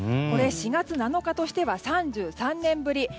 これ、４月７日としては３３年ぶり。